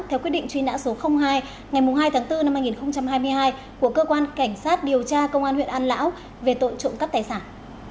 theo quyết định truy nã số hai ngày hai tháng bốn năm hai nghìn hai mươi hai của cơ quan cảnh sát điều tra công an huyện an lão về tội trộm cắp tài sản